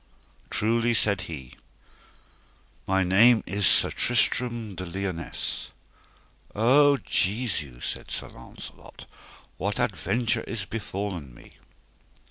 Truly, said he, my name is Sir Tristram de Liones. O Jesu, said Sir Launcelot, what adventure is befallen me!